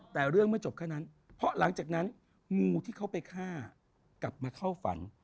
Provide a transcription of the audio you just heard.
แต่เรื่องไม่จบแค่นั้นเพราะหลังจากนั้นงูที่เขาไปฆ่ากลับมาเข้าฝัน